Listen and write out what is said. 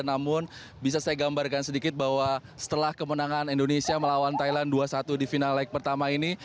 namun bisa saya gambarkan sedikit bahwa setelah kemenangan indonesia melawan thailand dua satu di final leg pertama ini